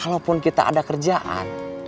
kalaupun kita ada kerjaan